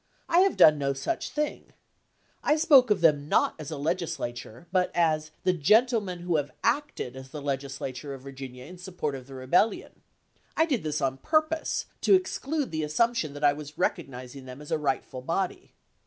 I have done no snch thing.1 I spoke of Api. 12,1865. them not as a legislature, but as " the gentlemen who have acted as the legislature of Virginia in support of the rebellion." I did this on purpose to exclude the assump tion that I was recognizing them as a rightful body.